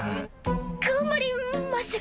頑張ります。